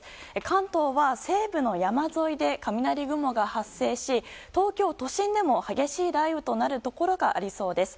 関東は、西部の山沿いで雷雲が発生し東京都心でも、激しい雷雨となるところがありそうです。